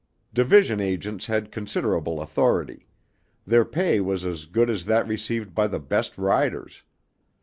Division agents had considerable authority; their pay was as good as that received by the best riders.